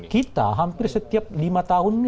kita hampir setiap lima tahun